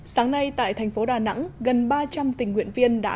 sáng nay tại thành phố đà nẵng gần ba trăm linh tình nguyện viên đã